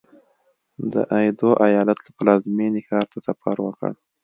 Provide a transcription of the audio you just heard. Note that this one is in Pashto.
د ایدو ایالت له پلازمېنې ښار ته سفر وکړ.